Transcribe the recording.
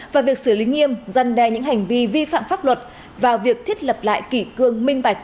và việc xử lý nghiêm dân đe những hành vi vi phạm pháp luật vào việc thiết lập lại kỷ cương minh bạch